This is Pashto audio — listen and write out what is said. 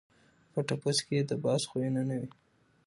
په ټپوس کي د باز خویونه نه وي.